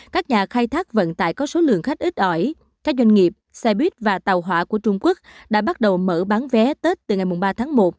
các nhà khai thác vận tải có số lượng khách ít ỏi các doanh nghiệp xe buýt và tàu hỏa của trung quốc đã bắt đầu mở bán vé tết từ ngày ba tháng một